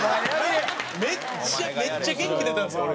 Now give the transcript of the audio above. めっちゃめっちゃ元気出たんですよ俺。